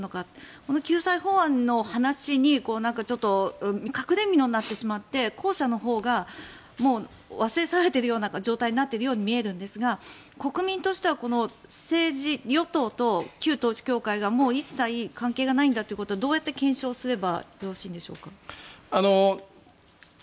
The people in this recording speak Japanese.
この救済法案の話にちょっと隠れみのになってしまって後者のほうが忘れ去られているような状態に見えるんですが国民としては政治、与党と旧統一教会がもう一切関係がないんだということをどうやって検証すればよろしいんでしょうか。